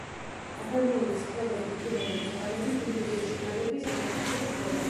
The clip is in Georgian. ადამიანის ქმედების პირველი ნაკვალევი ბრიუგეში გალების ეპოქაში გვხვდება.